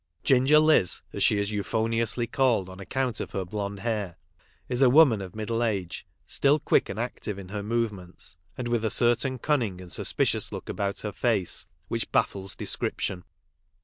Ginger Liz, as she is euphoniously called on account of her blonde hair, is a woman of middle age, still quick and active in her movements, and with a certain cunning and suspicious look about her face which baffles description.